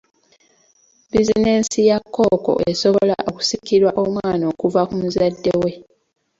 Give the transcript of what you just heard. Buzinensi ya kkooko esobola okusikirwa omwana okuva ku muzadde we.